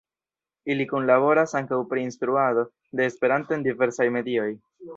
Ili kunlaboras ankaŭ pri instruado de Esperanto en diversaj medioj.